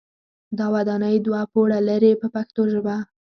دا ودانۍ دوه پوړه لري په پښتو ژبه.